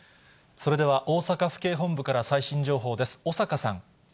それでは大阪府警本部から最新情報です。